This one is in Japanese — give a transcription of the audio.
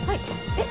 えっ？